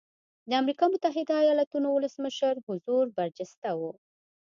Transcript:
د امریکا متحده ایالتونو ولسمشر حضور برجسته و.